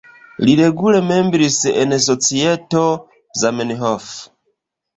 Li regule membris en Societo Zamenhof.